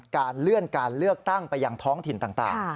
การเลื่อนการเลือกตั้งไปยังท้องถิ่นต่าง